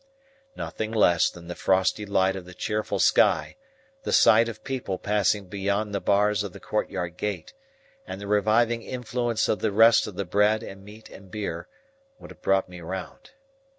Nothing less than the frosty light of the cheerful sky, the sight of people passing beyond the bars of the court yard gate, and the reviving influence of the rest of the bread and meat and beer, would have brought me round.